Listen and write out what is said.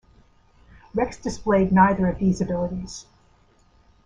Rex displayed neither of these abilities.